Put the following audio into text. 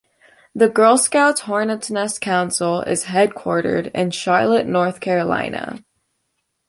The Girl Scouts, Hornets' Nest Council is headquartered in Charlotte, North Carolina.